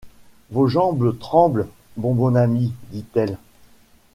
Vos jambes tremblent, mon bon ami, dit-elle.